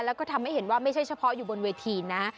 แล้วก็ทำให้เห็นว่าไม่ใช่เฉพาะอยู่บนเวทีนะ